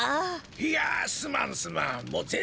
いやすまんすまん。